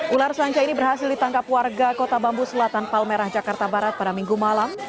ular sanca ini berhasil ditangkap warga kota bambu selatan palmerah jakarta barat pada minggu malam